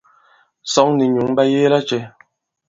Sᴐŋ nì nyǔŋ ɓa yege lacɛ̄?